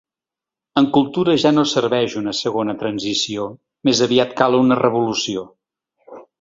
En cultura ja no serveix una segona transició, més aviat cal una revolució.